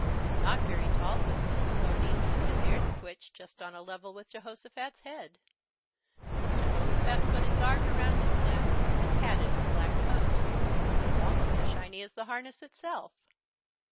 Not very tall was the little pony. His ears twitched just on a level with Jehosophat's head. Jehosophat put his arm around his neck and patted his black coat, which was almost as shiny as the harness itself.